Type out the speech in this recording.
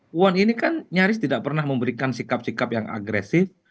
puan ini kan nyaris tidak pernah memberikan sikap sikap yang agresif